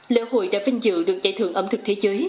lễ hội đã vinh dự được giải thưởng ẩm thực thế giới